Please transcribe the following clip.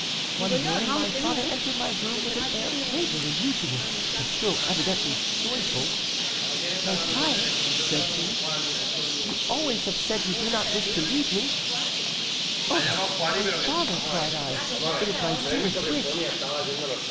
"One morning my father entered my room with an air graver than usual, but still evidently joyful. 'My child,' said he, 'you always have said you did not wish to leave me.' "'Oh! my father,' cried I, 'it is my dearest wish.